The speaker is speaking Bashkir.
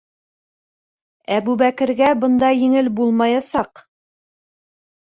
Әбүбәкергә бында еңел булмаясаҡ.